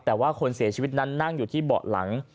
แต่ว่าคนเสียชีวิตนั้นนั่งอยู่ที่เบาะหลัง